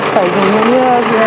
phải dùng như như